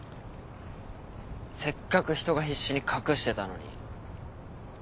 せっかく人が必死に隠してたのに。